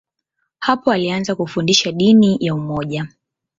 Hapo alianza kufundisha dini ya umoja.